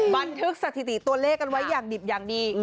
บันทึกสถิติตัวเลขกันไว้อย่างดิบอย่างดี